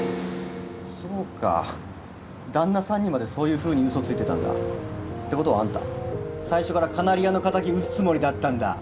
そうか旦那さんにまでそういうふうに嘘ついてたんだ？って事はあんた最初からカナリアの敵討つつもりだったんだ？